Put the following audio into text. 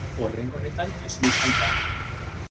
Oraingo honetan ezin izan da.